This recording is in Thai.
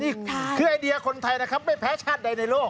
นี่คือไอเดียคนไทยนะครับไม่แพ้ชาติใดในโลก